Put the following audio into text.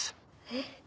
えっ？